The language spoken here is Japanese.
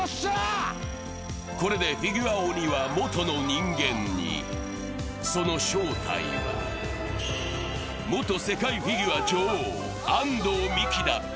これでフィギュア鬼は、元の人間にその正体は元世界フィギュア女王・安藤美姫だった。